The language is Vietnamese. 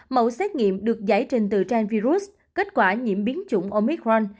mẫu xét nghiệm được giải trình từ trang virus kết quả nhiễm biến chủng omicron